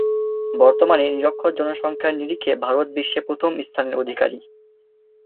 বর্তমানে নিরক্ষর জনসংখ্যার নিরিখে ভারত বিশ্বে প্রথম স্থানের অধিকারী।